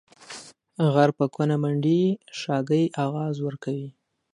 غر په کونه منډي ، شاگى اغاز ورکوي.